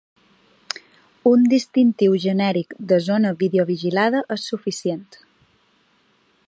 Un distintiu genèric de ‘zona videovigilada’ és suficient.